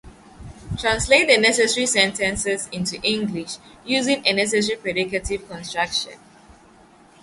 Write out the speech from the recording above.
Translate the sentences into English using a necessary predicative construction.